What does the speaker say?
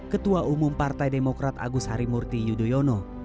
ketua umum partai demokrat agus harimurti yudhoyono